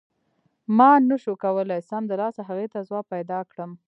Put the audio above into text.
ما نه شو کولای سمدلاسه هغې ته ځواب پیدا کړم.